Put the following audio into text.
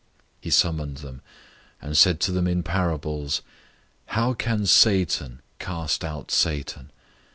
003:023 He summoned them, and said to them in parables, "How can Satan cast out Satan?